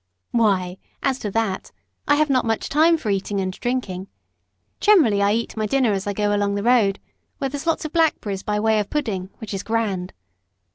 "Why, as to that, I have not much time for eating and drinking. Generally I eat my dinner as I go along the road, where there's lots of blackberries by way of pudding which is grand!